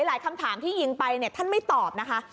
หลายคำถามที่ยิงไปท่านไม่ตอบนะคะ